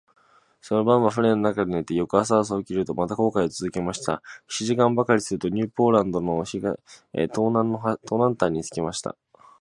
その晩は舟の中で寝て、翌朝早く起きると、また航海をつづけました。七時間ばかりすると、ニューポランドの東南端に着きました。